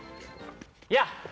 いや！